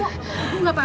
ibu gak apa apa